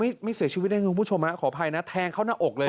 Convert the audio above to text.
ไม่ไม่เสียชีวิตนะคุณผู้ชมฮะขออภัยนะแทงเข้าหน้าอกเลย